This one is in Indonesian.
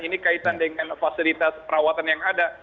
ini kaitan dengan fasilitas perawatan yang ada